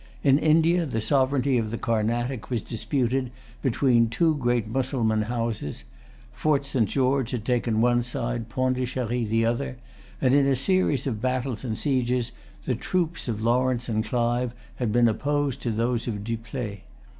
In India the sovereignty of the Carnatic was disputed between two great Mussulman houses; Fort St. George had taken one side, Pondicherry the other; and in a series of battles and sieges the troops of Lawrence and Clive had been opposed to those of Dupleix.